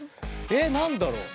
えっなんだろう？